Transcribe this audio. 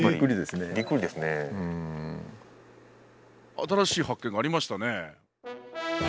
新しい発見がありましたね。